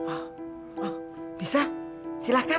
oh oh bisa silahkan